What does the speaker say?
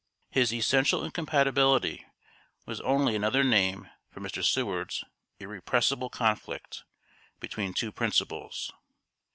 His "essential incompatibility" was only another name for Mr. Seward's "Irrepressible Conflict" between two principles.